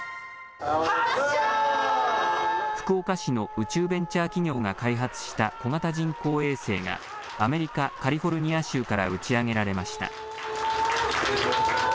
福岡市の宇宙ベンチャー企業が開発した小型人工衛星が、アメリカ・カリフォルニア州から打ち上げられました。